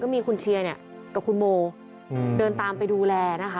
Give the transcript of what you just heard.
มีคุณเชียร์เนี่ยกับคุณโมเดินตามไปดูแลนะคะ